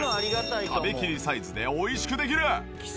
食べきりサイズで美味しくできる。